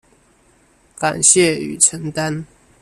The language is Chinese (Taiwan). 感謝與承擔